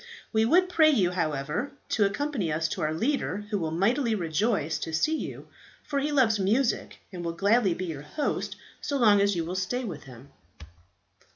We would pray you, however, to accompany us to our leader, who will mightily rejoice to see you, for he loves music, and will gladly be your host so long as you will stay with him."